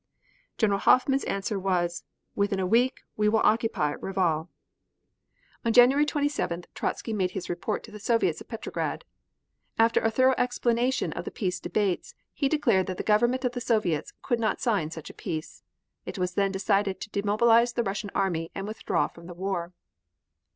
General Hoffman's answer was, "Within a week we would occupy Reval." On January 27th, Trotzky made his report to the Soviets at Petrograd. After a thorough explanation of the peace debates, he declared that the Government of the Soviets could not sign such a peace. It was then decided to demobilize the Russian army and withdraw from the war.